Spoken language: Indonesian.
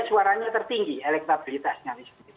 suaranya tertinggi elektabilitasnya